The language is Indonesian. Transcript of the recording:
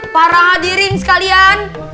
para hadirin sekalian